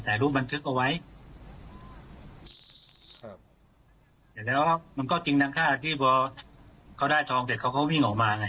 ถ่ายรูปบันทึกเอาไว้ครับเสร็จแล้วมันก็จริงดังค่าที่พอเขาได้ทองเสร็จเขาก็วิ่งออกมาไง